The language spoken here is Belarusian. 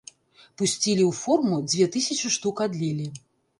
Пусцілі ў форму, дзве тысячы штук адлілі.